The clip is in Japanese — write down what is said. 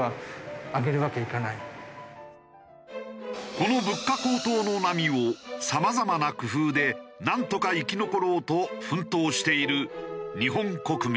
この物価高騰の波をさまざまな工夫でなんとか生き残ろうと奮闘している日本国民。